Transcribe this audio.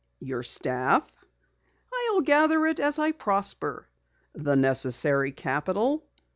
"Your staff?" "I'll gather it as I prosper." "The necessary capital?"